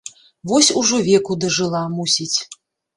Вось ужо веку дажыла, мусіць.